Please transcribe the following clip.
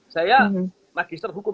saya magister hukum